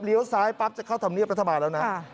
เลี้ยวซ้ายปั๊บจะเข้าถามเงียบรัฐบาลแล้วนะ